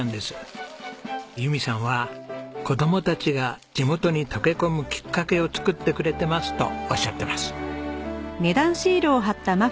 友美さんは「子供たちが地元に溶け込むきっかけを作ってくれてます」とおっしゃってます。